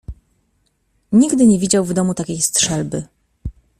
"Nigdy nie widział w domu takiej strzelby."